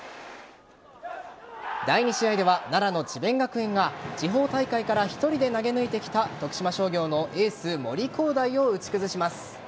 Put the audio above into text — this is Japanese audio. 第２試合では奈良の智辯学園が地方大会から１人で投げ抜いてきた徳島商業のエース森煌誠を打ち崩します。